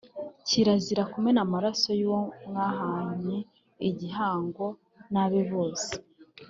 kirazira kumena amaraso y’uwo mwahanye igihango n’abe bose